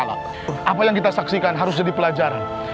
apa yang kita saksikan harus jadi pelajaran